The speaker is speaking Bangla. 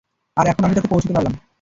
আর এখন আমি তাতে পৌঁছতে পারলাম।